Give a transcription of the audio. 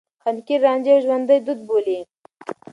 حنکير رانجه يو ژوندي دود بولي.